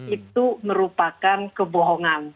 itu merupakan kebohongan